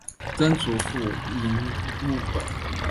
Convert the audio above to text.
曾祖父尹务本。